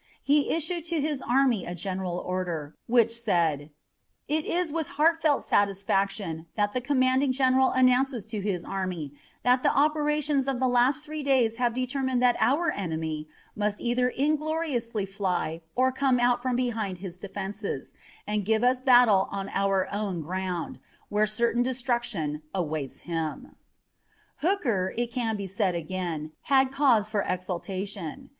He issued to his army a general order, which said: It is with heartfelt satisfaction that the commanding general announces to his army that the operations of the last three days have determined that our enemy must either ingloriously fly or come out from behind his defences, and give us battle on our own ground, where certain destruction awaits him. Hooker, it can be said again, had cause for exultation.